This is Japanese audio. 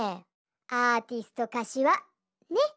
「アーティストかしわ」ねっ！